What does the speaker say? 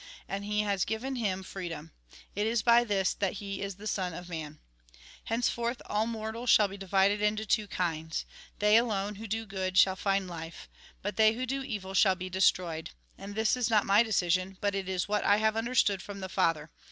And He has given him freedom. It is by this, that he is the Son of Man. " Henceforth all mortals shall be divided into two kinds. They alone, who do good, shall find life ; but they who do evil shall be destroyed. And this is not my decision, but it is what I have understood from the Father.